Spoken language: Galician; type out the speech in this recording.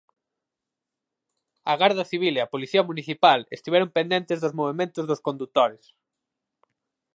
A Garda Civil e a policía municipal estiveron pendentes dos movementos dos condutores.